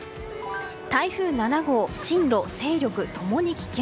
台風７号進路、勢力共に危険。